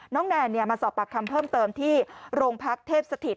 แนนมาสอบปากคำเพิ่มเติมที่โรงพักเทพสถิต